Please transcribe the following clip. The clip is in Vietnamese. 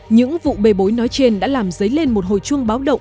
những vụ bê bối nói trên đã làm dấy lên một hồi chuông báo động